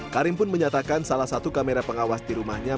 karim pun menyatakan salah satu kamera pengawas di rumahnya